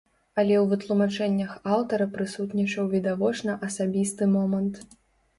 Але ў вытлумачэннях аўтара прысутнічаў відавочна асабісты момант.